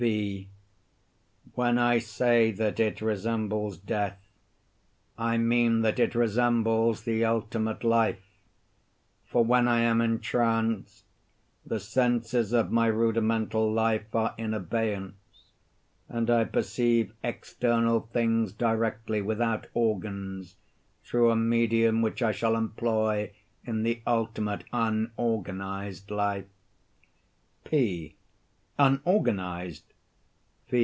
V. When I say that it resembles death, I mean that it resembles the ultimate life; for when I am entranced the senses of my rudimental life are in abeyance, and I perceive external things directly, without organs, through a medium which I shall employ in the ultimate, unorganized life. P. Unorganized?